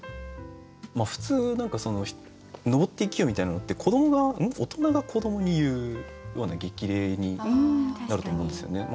普通何か「登って生きよ」みたいなのって大人が子どもに言うような激励になると思うんですよね。